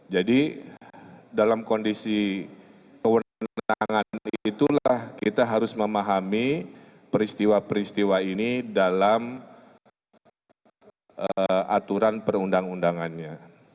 jadi dalam kondisi keundangan itulah kita harus memahami peristiwa peristiwa ini dalam aturan perundang undangannya